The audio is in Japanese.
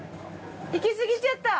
行き過ぎちゃった。